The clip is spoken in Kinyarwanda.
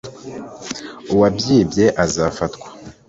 uwabyibye azafatwa.